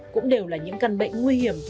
cũng đều là những căn bệnh nguy hiểm